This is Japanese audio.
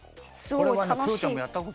これはクヨちゃんもやったことない。